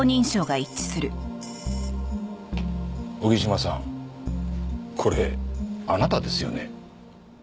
荻島さんこれあなたですよね？